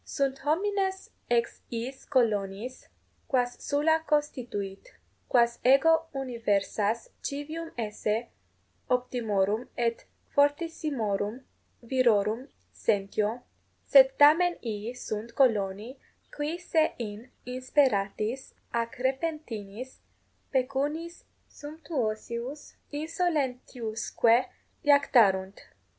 Sunt homines ex iis coloniis, quas Sulla constituit: quas ego universas civium esse optimorum et fortissimorum virorum sentio, sed tamen ii sunt coloni, qui se in insperatis ac repentinis pecuniis sumptuosius insolentiusque iactarunt.